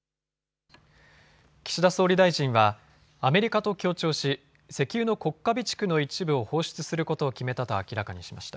岸田総理大臣はアメリカと協調し石油の国家備蓄の一部を放出することを決めたと明らかにしました。